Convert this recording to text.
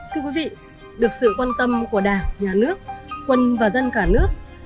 thưa quý vị được sự quan tâm của đảng nhà nước quân và dân cả nước